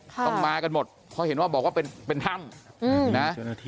ต้องมากันหมดเพราะเห็นว่าบอกว่าเป็นถ้ำนะ